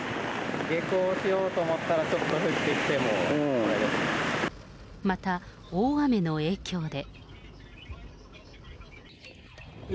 下校しようと思ったらちょっと降ってきて、また、大雨の影響で。